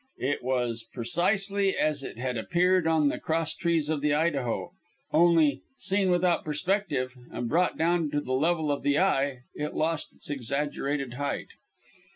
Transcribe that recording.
It was precisely as it had appeared on the crosstrees of the Idaho, only, seen without perspective, and brought down to the level of the eye, it lost its exaggerated height.